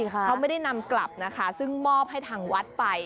เขาไม่ได้นำกลับนะคะซึ่งมอบให้ทางวัดไป